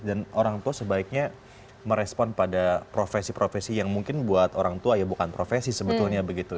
dan orang tua sebaiknya merespon pada profesi profesi yang mungkin buat orang tua ya bukan profesi sebetulnya begitu